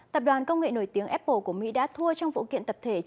tập đoàn công nghệ nổi tiếng apple của mỹ đã thua trong vụ kiện tập thể